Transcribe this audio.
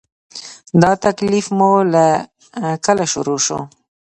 دا تکلیف مو له کله شروع شو؟